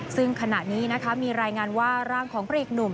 ซึ่งขณะนี้นะคะมีรายงานว่าร่างของพระเอกหนุ่ม